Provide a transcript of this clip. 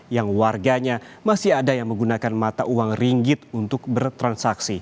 yang warganya masih ada yang menggunakan mata uang ringgit untuk bertransaksi